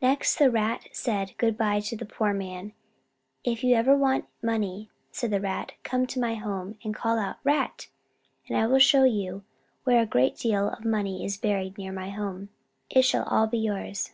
Next the Rat said good by to the poor man. "If ever you want money," said the Rat, "come to my home, and call out, 'Rat!' and I will show you where a great deal of money is buried near my home. It shall all be yours."